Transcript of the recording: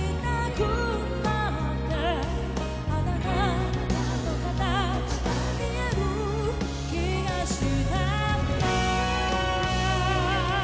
「あなたのカタチ見える気がしたんだ」